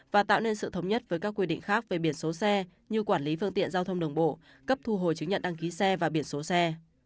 và tạo nên sự thống nhất với các quy định khác về biển số xe như quản lý phương tiện giao thông đường bộ cấp thu hồi chứng nhận đăng ký xe và biển số xe